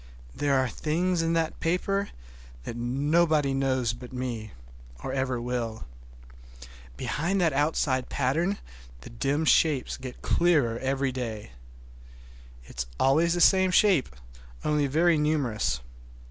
There are things in that paper that nobody knows but me, or ever will. Behind that outside pattern the dim shapes get clearer every day. It is always the same shape, only very numerous.